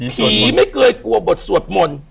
ไม่เคยกลัวบทสวดมนต์